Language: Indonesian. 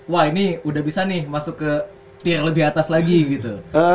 wah ini udah bisa nih masuk ke tir lebih atas lagi gitu